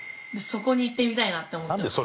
そこに行ってみたいなって思ってます。